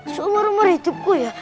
seumur umur hidupku ya